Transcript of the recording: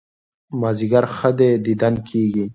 مازيګر ښه دى ديدن کېږي